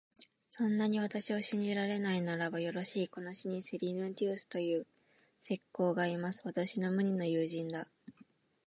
そんなに私を信じられないならば、よろしい、この市にセリヌンティウスという石工がいます。私の無二の友人だ。